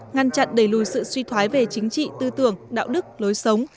ngăn chặn đẩy lùi sự suy thoái về chính trị tư tưởng đạo đức lối sống